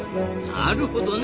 なるほどね。